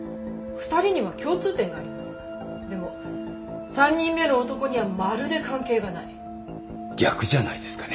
２人には共通点がありますでも３人目の男にはまるで関係がない逆じゃないですかね？